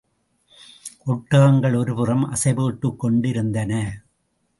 ஒட்டகங்கள் ஒருபுறம் அசைபோட்டுக் கொண்டிருந்தன.